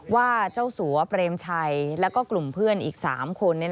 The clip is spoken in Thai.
ว่าเจ้าสัวเปรมชัยแล้วก็กลุ่มเพื่อนอีก๓คน